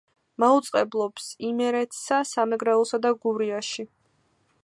მაუწყებლობს იმერეთსა, სამეგრელოსა და გურიაში.